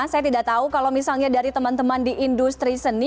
saya tidak tahu kalau misalnya dari teman teman di industri seni